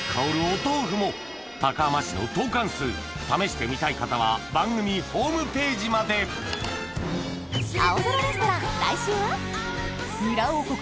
お豆腐も高浜市のトーカンスー試してみたい方は番組ホームページまでニラ王国